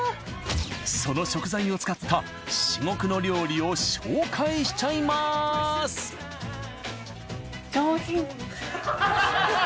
その食材を使った至極の料理を紹介しちゃいます上品。